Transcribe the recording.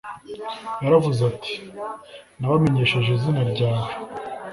yaravuze ati : «Nabamenyesheje izina ryawe».